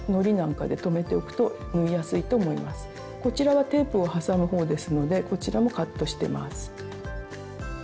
こちらはテープを挟むほうですのでこちらもカットしてます。